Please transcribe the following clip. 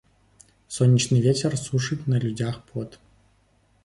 Сонечны вецер сушыць на людзях пот.